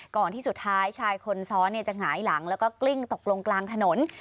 ก่อนที่สุดท้ายชายคนซ้อนจะหงายหลังแล้วก็กลิ้งตกลงกลางถนน